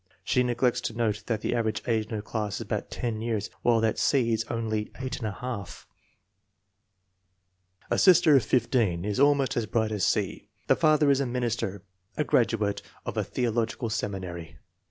She neglects to note that the average age in her class is about 10 years, while that of C. is only 8J. A sister of 15 is almost as bright as C. The father is a minister, a graduate of a theological seminary.